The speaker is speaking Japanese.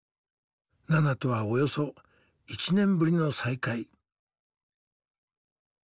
ナナとはおよそ１年ぶりの再会。